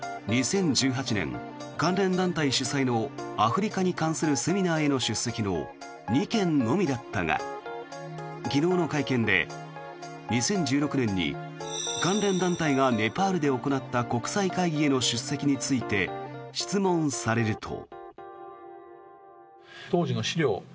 ２０１８年、関連団体主催のアフリカに関するセミナーへの出席の２件のみだったが昨日の会見で２０１６年に関連団体がネパールで行った国際会議への出席について質問されると。